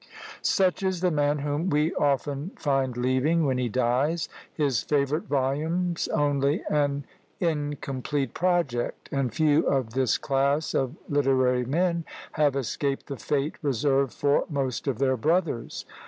Such is the man whom we often find leaving, when he dies, his favourite volumes only an incomplete project! and few of this class of literary men have escaped the fate reserved for most of their brothers.